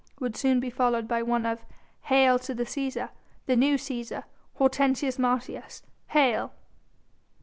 would soon be followed by one of "Hail to the Cæsar! the new Cæsar, Hortensius Martius! Hail!"